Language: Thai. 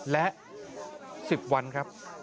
และ๑๐วันครับ